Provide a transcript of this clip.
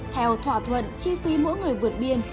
theo thỏa thuận chi phí mỗi người vượt biên